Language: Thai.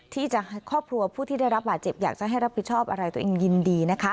ครอบครัวผู้ที่ได้รับบาดเจ็บอยากจะให้รับผิดชอบอะไรตัวเองยินดีนะคะ